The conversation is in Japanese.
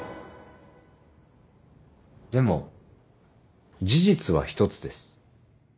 でも事実は１つです。